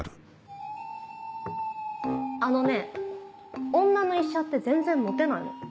あのね女の医者って全然モテないの。